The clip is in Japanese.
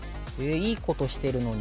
いいことしてるのに。